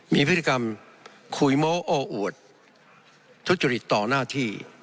มีพฤติกรรมคุยโม้โอ้อวดทุจริตต่อหน้าที่